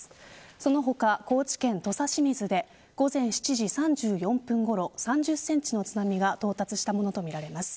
その他、高知県土佐清水で午前７時３４分ごろ３０センチの津波が到達したものとみられます。